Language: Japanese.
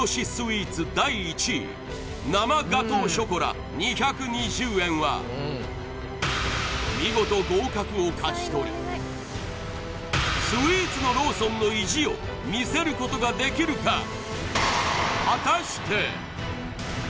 スイーツ第１位生ガトーショコラ２２０円は見事合格を勝ち取りスイーツのローソンの意地を見せることができるか？